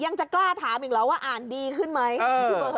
ยังจะกล้าถามอีกแล้วว่าอ่านดีขึ้นไหมพี่เบิร์ด